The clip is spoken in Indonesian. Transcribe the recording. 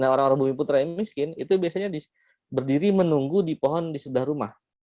nah orang orang bumi putra yang miskin itu biasanya berdiri menunggu di pohon di sebelah rumah